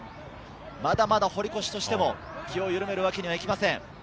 まだまだ堀越としても気を緩めるわけにはいきません。